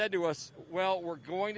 banyaknya mereka berkata